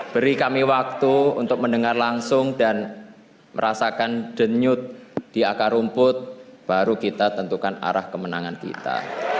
beri kami waktu untuk mendengar langsung dan merasakan denyut di akar rumput baru kita tentukan arah kemenangan kita